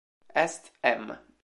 Est em